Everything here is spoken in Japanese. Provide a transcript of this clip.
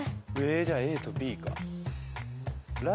じゃあＡとＢか。